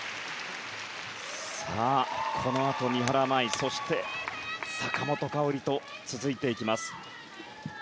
さあ、このあと三原舞依そして坂本花織と続いていきます。